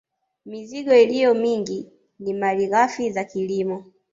Mizigo iliyo mingi ni malighafi za kilimo